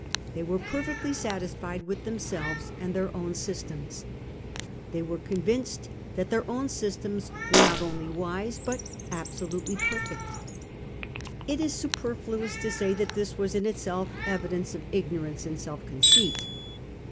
They were perfectly satisfied with them selves and their own systems. They were convinced that their own systems were not only wise but abso lutely perfect. It is superfluous to say that this was in itself evidence of ignorance and self conceit.